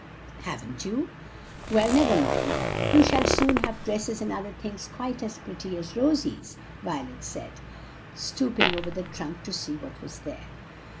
"Haven't you? Well, never mind, you shall soon have dresses and other things quite as pretty as Rosie's," Violet said, stooping over the trunk to see what was there.